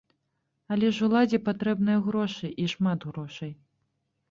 Але ж уладзе патрэбныя грошы, і шмат грошай.